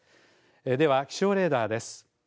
では気象レーダーです。